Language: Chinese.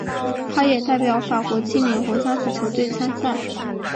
他也代表法国青年国家足球队参赛。